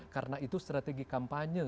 karena itu strategi kampanye